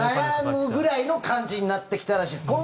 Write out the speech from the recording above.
並ぶぐらいの感じになってきたらしいです。